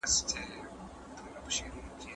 په هره ماته کي بریا نغښتې وي.